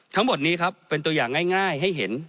ทั้งหมดนี้ครับเป็นตัวอย่างง่ายให้เห็น